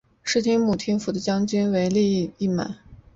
室町幕府的将军为足利义满。